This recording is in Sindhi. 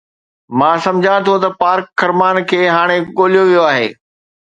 مان سمجهان ٿو ته بارڪ خرمان کي هاڻي ڳوليو ويو آهي